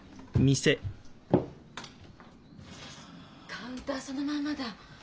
カウンターそのまんまだ。